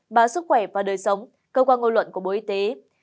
bà sức khỏe và đời sống cơ quan ngôn luận của bộ y tế